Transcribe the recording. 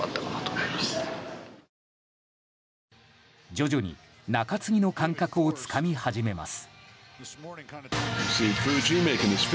徐々に中継ぎの感覚をつかみ始めます。